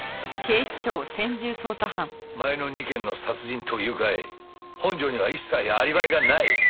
前の２件の殺人と誘拐本条には一切アリバイがない？